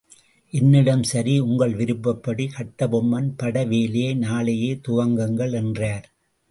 என்னிடம், சரி, உங்கள் விருப்பப்படி கட்டபொம்மன் பட வேலையை நாளையே துவக்குங்கள் என்றார்.